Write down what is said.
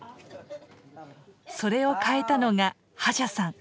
それを変えたのがハジャさん。